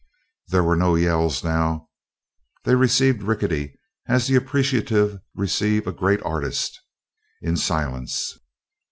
There were no yells now. They received Rickety as the appreciative receive a great artist in silence.